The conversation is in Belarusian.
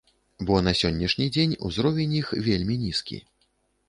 Бо на сённяшні дзень узровень іх вельмі нізкі.